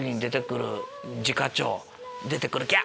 出てくる「ギャ！」